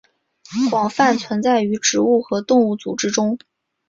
广泛存在于植物和动物组织中。